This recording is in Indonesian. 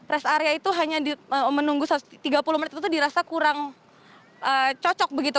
rest area itu hanya menunggu tiga puluh menit itu dirasa kurang cocok begitu